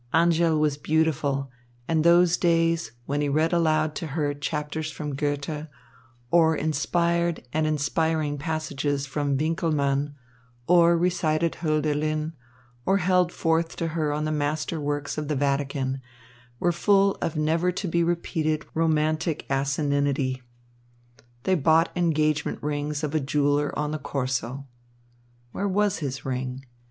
Angèle was beautiful, and those days, when he read aloud to her chapters from Goethe, or inspired and inspiring passages from Winckelmann, or recited Hölderlin, or held forth to her on the masterworks in the Vatican, were full of never to be repeated romantic asininity. They bought engagement rings of a jeweller on the Corso. Where was his ring?